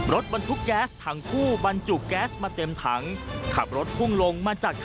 รถบรรทุกแก๊สทางคู่บรรจุแก๊สมาเต็มทั้ง